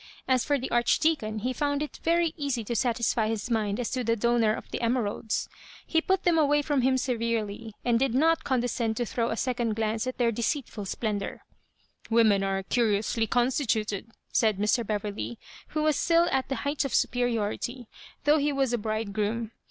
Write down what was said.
As for the Archdeacon, he too found it very easy to satisfy His mind as to the donor of the emeralds. Digitized by VjOOQIC 118 loss ILlBJOBIBAlSnaS. Ho put them away from him severely, and did Dot condescend to throw aaeoond glance at their deceitful splendour. '' Women are curiously oon Btituted," said Mr. Beverley, who was still at the height of superiority, though he was a bride groom.